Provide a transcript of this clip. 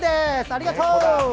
ありがとう。